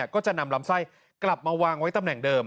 ก็จะนำลำไส้กลับมาวางไว้ตำแหน่งเดิม